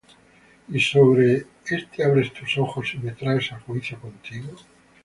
¿Y sobre éste abres tus ojos, Y me traes á juicio contigo?